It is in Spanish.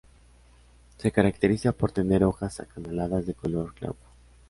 Se caracteriza por tener hojas acanaladas de color glauco.